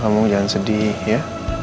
kamu jangan sedih ya